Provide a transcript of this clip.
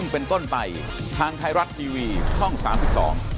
โปรดติดตามตอนต่อไป